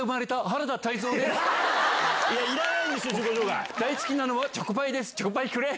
いらないんですよ自己紹介。